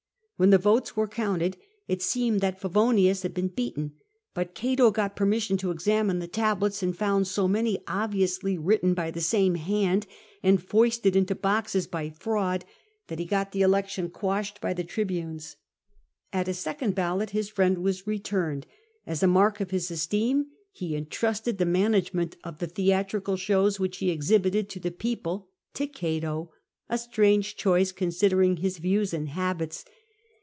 When the votes were counted, it seemed that Favonius had been beaten ; but Cato got permission to examine the tablets, and found so many obviously written by the same hand and foisted into the boxes by fraud, that he got the election quashed by the tribunes. At a second ballot his friend was returned; as a mark of his esteem he entrusted the management of the theatrical shows which he exhibited to the people to Cato — a strange choice considering his views and habits.